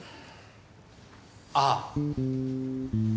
ああ！